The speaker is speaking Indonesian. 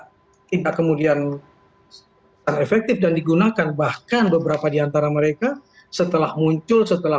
hai tidak kemudian efektif dan digunakan bahkan beberapa diantara mereka setelah muncul setelah